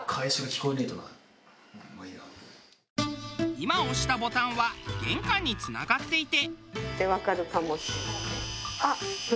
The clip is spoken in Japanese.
今押したボタンは玄関につながっていて。